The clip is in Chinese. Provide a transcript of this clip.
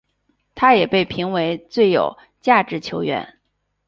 他也被评为最有价值球员。